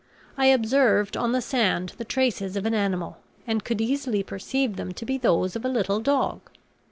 I observed on the sand the traces of an animal, and could easily perceive them to be those of a little dog.